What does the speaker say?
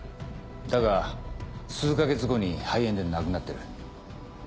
だが数か月後に肺炎で亡くなってる。